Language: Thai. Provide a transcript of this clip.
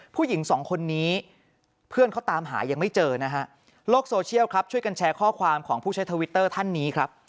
ผู้หญิงสองคนนี้เพื่อนเขาตามหายังไม่เจอนะฮะโลกโซเชียลครับช่วยกันแชร์ข้อความของผู้ใช้ทวิตเตอร์ท่านนี้ครับ